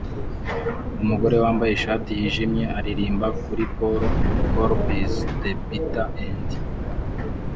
Umugore wambaye ishati yijimye aririmba kuri Paul Colby's The Bitter End